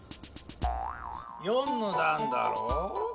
「４のだん」だろう？